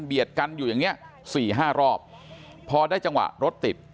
เบียดกันอยู่อย่างเนี้ย๔๕รอบพอได้จังหวะรถติด